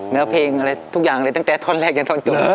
เนื้อเพลงอะไรทุกอย่างเลยตั้งแต่ท่อนแรกจนท่อนจน